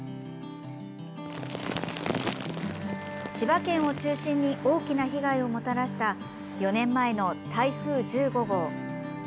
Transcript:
千葉県を中心に大きな被害をもたらした４年前の台風１５号。